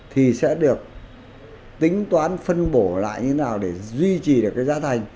thì sẽ được tính toán phân bổ lại như thế nào để duy trì được cái giá thành